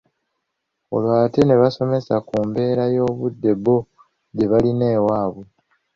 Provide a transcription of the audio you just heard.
Olwo ate ne basomesa ku mbeera y’Obudde bo gye balina ewaabwe